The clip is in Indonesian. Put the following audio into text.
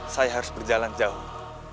saya harus berjalan jauh